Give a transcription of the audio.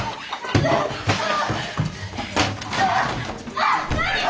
・・あっ何を！